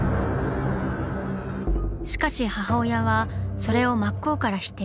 しかし母親はそれを真っ向から否定。